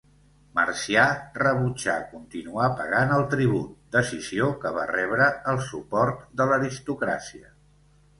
Marcià rebutjà continuar pagant el tribut, decisió que va rebre el suport de l'aristocràcia.